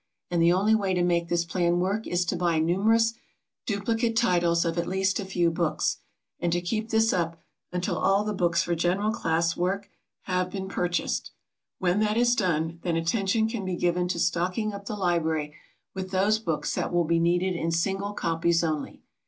And the only way to make this plan work is to buy numerous duplicate titles of at least a few books, and to keep this up until all the books for general class work have been purchased. When that is done, then attention can be given to stocking up the library with those books that will be needed in single copies only.